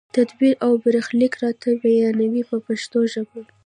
تدبیر او برخلیک راته بیانوي په پښتو ژبه.